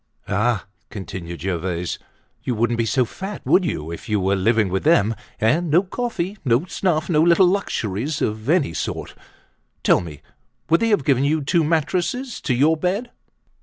"Ah!" continued Gervaise, "you wouldn't be so fat, would you, if you were living with them? And no coffee, no snuff, no little luxuries of any sort! Tell me, would they have given you two mattresses to your bed?"